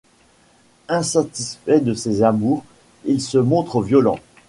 Insatisfait de ses amours, il se montre violent.